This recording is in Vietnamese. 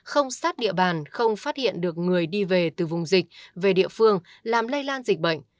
không sát địa bàn không phát hiện được người đi về từ vùng dịch về địa phương làm lây lan dịch bệnh